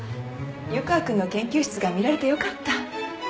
湯川君の研究室が見られてよかった。